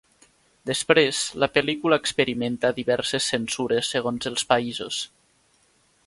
Després, la pel·lícula experimenta diverses censures segons els països.